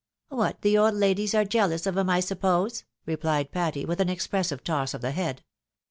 " What, the old ladies are jealous of 'em, I suppose," repHed Patty, vfith an expressive toss of the head.